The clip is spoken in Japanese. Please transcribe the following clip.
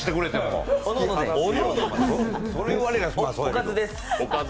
おかずです。